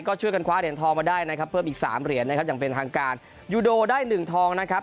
ก็ช่วยกันคว้าเหรียญทองมาได้นะครับเพิ่มอีกสามเหรียญนะครับอย่างเป็นทางการยูโดได้หนึ่งทองนะครับ